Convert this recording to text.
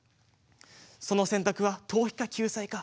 その選択は逃避か救済か。